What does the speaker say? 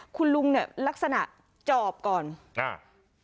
คุณลุงเนี่ยลักษณะจอบก่อนอ่า